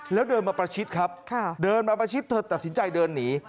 แล้วเดินมาประชิดครับเดินมาประชิดเธอตัดสินใจเดินหนี